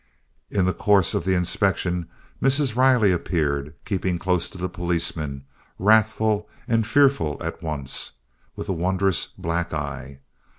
In the course of the inspection Mrs. Riley appeared, keeping close to the policeman, wrathful and fearful at once, with a wondrous black eye.